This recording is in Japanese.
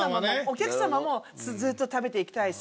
お客様もずっと食べていきたいし。